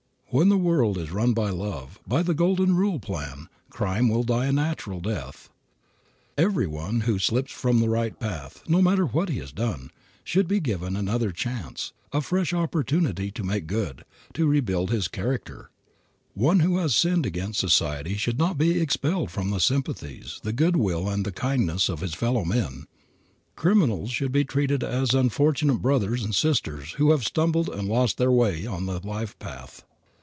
When the world is run by love, by the Golden Rule plan, crime will die a natural death. Every one who slips from the right path, no matter what he has done, should be given another chance, a fresh opportunity to make good, to rebuild his character. One who has sinned against society should not be expelled from the sympathies, the good will and the kindliness of his fellowmen. Criminals should be treated as unfortunate brothers and sisters who have stumbled and lost their way on the life path.